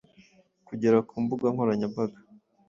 kugera ku mbuga nkoranyambaga,